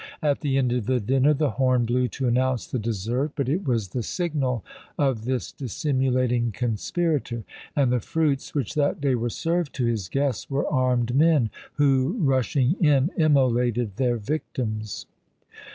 At the end of the dinner the horn blew to announce the dessert but it was the signal of this dissimulating conspirator! and the fruits which that day were served to his guests were armed men, who, rushing in, immolated their victims.